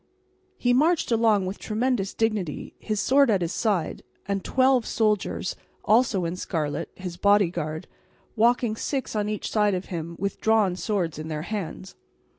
He marched along with tremendous dignity, his sword at his side, and twelve soldiers, also in scarlet, his bodyguard, walking six on each side of him with drawn swords in their hands.